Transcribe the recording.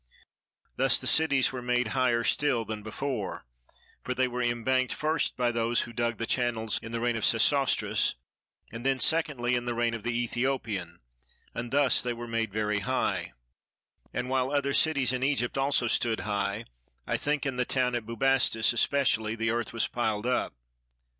Thus the cities were made higher still than before; for they were embanked first by those who dug the channels in the reign of Sesostris, and then secondly in the reign of the Ethiopian, and thus they were made very high: and while other cities in Egypt also stood high, I think in the town at Bubastis especially the earth was piled up.